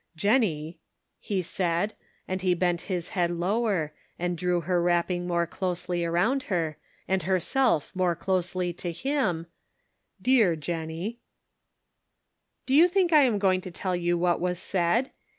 "Jennie," he said, and he bent his head lower, and drew her wrapping more closely around her, and herself more closely to him, "dear Jennie," — Do you think lam going to tell you what was said?